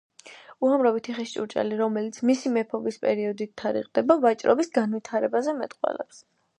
უამრავი თიხის ჭურჭელი, რომელიც მისი მეფობის პერიოდით თარიღდება, ვაჭრობის განვითარებაზე მეტყველებს.